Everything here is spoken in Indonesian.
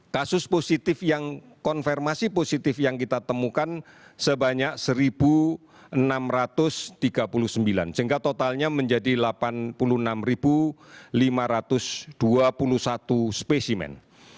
kasus positif yang konfirmasi positif yang kita temukan sebanyak satu enam ratus tiga puluh sembilan sehingga totalnya menjadi delapan puluh enam lima ratus dua puluh satu spesimen